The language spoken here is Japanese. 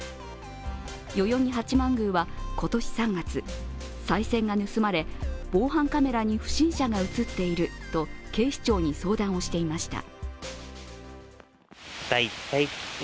代々木八幡宮は今年３月、さい銭が盗まれ防犯カメラに不審者が映っていると警視庁に相談をしていました。